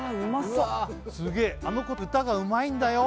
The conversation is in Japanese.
そうすげえあの子歌がうまいんだよ・